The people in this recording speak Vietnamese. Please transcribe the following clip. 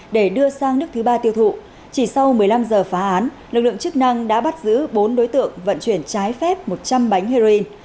để đưa sang nước thứ ba tiêu thụ chỉ sau một mươi năm giờ phá án lực lượng chức năng đã bắt giữ bốn đối tượng vận chuyển trái phép một trăm linh bánh heroin